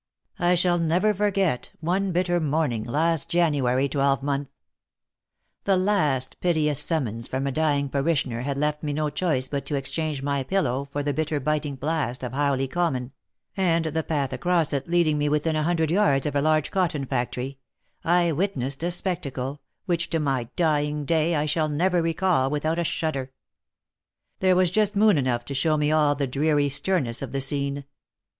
I shall never forget one bitter morn ing, last January twelvemonth ! The last piteous summons from a dying parishioner had left me no choice but to exchange my pillow for the bitter biting blast of Howley common, and the path across it lead ing me within a hundred yards of a large cotton factory, I witnessed a spectacle, which to my dying day I shall never recall without a shud der! There was just moon enough to show me all the dreary sternness of the scene.